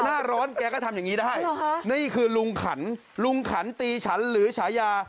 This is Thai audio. หน้าร้อนแกก็ทำอย่างนี้ได้นี่คือลุงขันลุงขันตีฉันหรือฉายา